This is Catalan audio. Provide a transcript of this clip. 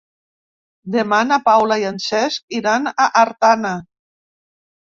Demà na Paula i en Cesc iran a Artana.